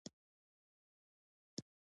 د نجيبې زړه ډک شو.